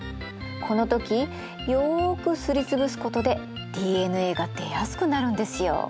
この時よくすりつぶすことでＤＮＡが出やすくなるんですよ。